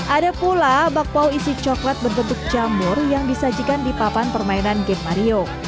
ada pula bakpao isi coklat berbentuk jamur yang disajikan di papan permainan gate mario